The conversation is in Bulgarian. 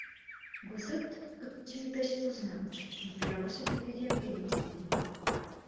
Гласът като че ми беше познат, но трябваше да видя лицето му.